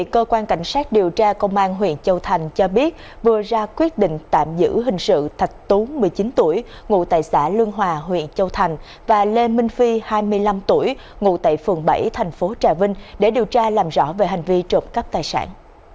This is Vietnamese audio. cơ quan cảnh sát điều tra công an huyện châu thành cho biết vừa ra quyết định tạm giữ hình sự thạch tú một mươi chín tuổi ngụ tại xã lương hòa huyện châu thành và lê minh phi hai mươi năm tuổi ngụ tại phường bảy thành phố trà vinh để điều tra làm rõ về hành vi trộm cắp tài sản